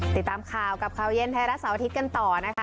ติดตามข่าวกับข่าวเย็นไทยรัฐเสาร์อาทิตย์กันต่อนะคะ